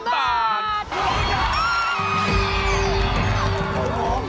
สุดยอด